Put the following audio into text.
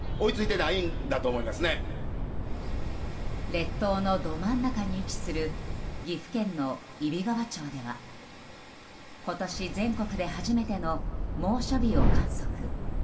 列島のど真ん中に位置する岐阜県の揖斐川町では今年全国で初めての猛暑日を観測。